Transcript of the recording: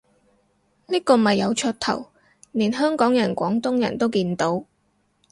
呢個咪有噱頭，連香港人廣東人都見到